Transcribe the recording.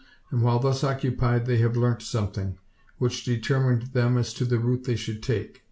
And while thus occupied they have learnt something, which determined them as to the route they should take.